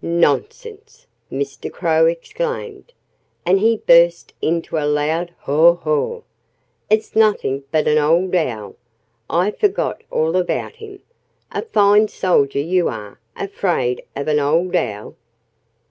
"Nonsense!" Mr. Crow exclaimed. And he burst into a loud haw haw. "It's nothing but an old Owl. I forgot all about him. A fine soldier you are afraid of an old Owl!"